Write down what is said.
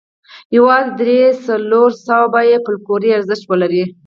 یوازې درې څلور سوه به یې فوکلوري ارزښت ولري.